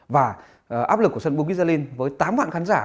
và áp lực của sân bukit jalil với tám vạn khán giả